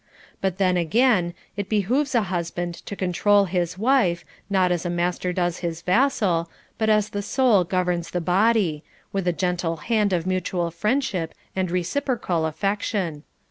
But then again, it behooves a hus band to control his wife, not as a master does his vassal, but as the soul governs the body, with the gentle hand of mutual friendship and reciprocal affection.